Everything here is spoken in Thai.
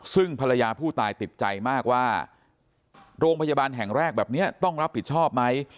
ซึ่งภรรยาผู้ตายติดใจมากว่าโรงพยาบาลแห่งแรกแบบนี้ต้องรับผิดชอบไหม